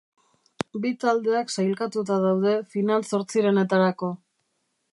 Bi taldeak sailkatuta daude final-zortzirenetarako.